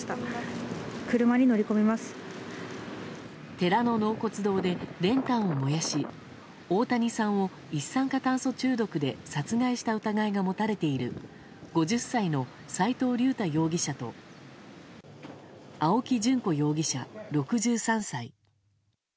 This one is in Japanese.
寺の納骨堂で練炭を燃やし大谷さんを一酸化炭素中毒で殺害した疑いが持たれている５０歳の斎藤竜太容疑者と青木淳子容疑者、６３歳。